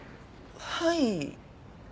はい。